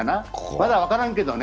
まだ分からんけどね。